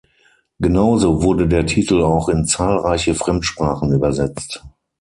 Genauso wurde der Titel auch in zahlreiche Fremdsprachen übersetzt.